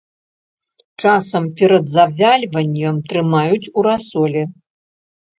Часам перад завяльваннем трымаюць у расоле.